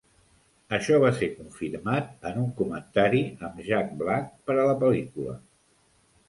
Això va ser confirmat en un comentari amb Jack Black per a la pel.lícula.